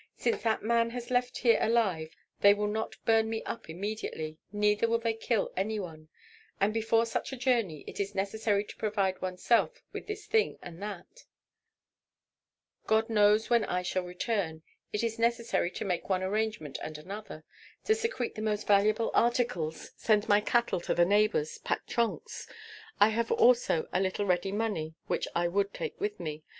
Since that man has left here alive, they will not burn me up immediately, neither will they kill any one; and before such a journey it is necessary to provide one's self with this thing and that. God knows when I shall return. It is necessary to make one arrangement and another, to secrete the most valuable articles, send my cattle to the neighbors, pack trunks. I have also a little ready money which I would take with me.